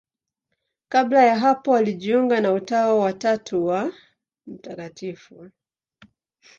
Kabla ya hapo alijiunga na Utawa wa Tatu wa Mt.